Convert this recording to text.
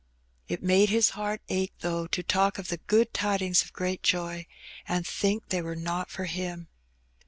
^' It made his heart ache, though, to talk of the ^'good tidings of great joy/' and think they were not for him.